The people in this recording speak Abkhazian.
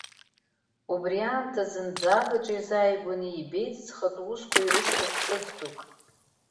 Убри аамҭазы зынӡа агаҿа иазааигәаны ибеит зхатәы усқәа ирышьҭаз ԥсыӡ дук.